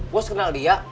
bos kenal dia